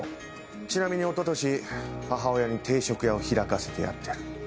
ちなみに一昨年母親に定食屋を開かせてやってる。